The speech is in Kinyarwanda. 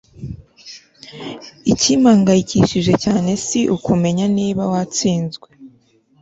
Ikimpangayikishije cyane si ukumenya niba watsinzwe